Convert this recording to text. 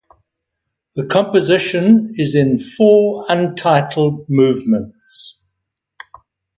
The composition is in four untitled movements.